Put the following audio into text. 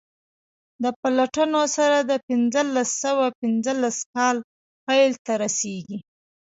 د پلټنو سر د پنځلس سوه پنځلس کال پیل ته رسیږي.